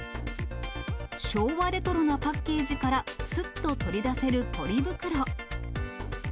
昭和レトロなパッケージからすっと取り出せるポリ袋。